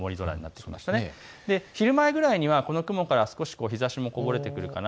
昼前ぐらいにはこの雲から少し日ざしもこぼれてくるかな。